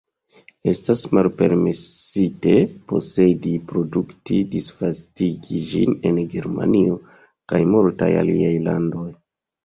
Estas malpermesite posedi, produkti, disvastigi ĝin en Germanio kaj multaj aliaj landoj.